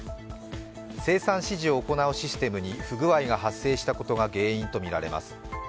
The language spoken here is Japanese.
生産指示を行うシステムに不具合が発生したことが原因とみられます。